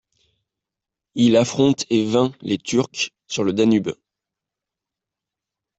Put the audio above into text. Il affronte et vainc les Turcs sur le Danube.